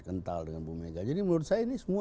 kental dengan bu mega jadi menurut saya ini semua